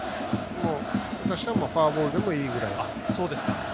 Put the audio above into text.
私はフォアボールでもいいぐらい。